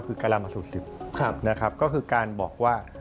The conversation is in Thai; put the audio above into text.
คือการามสูตร๑๐นะครับก็คือการบอกว่า